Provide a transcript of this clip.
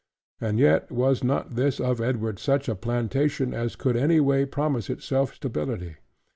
And yet was not this of Edward such a plantation, as could any way promise itself stability.